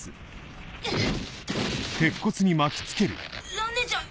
蘭ねえちゃん